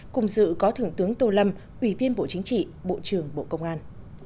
cùng sự có thưởng tướng tô lâm ủy viên bộ chính trị bộ trưởng bộ công an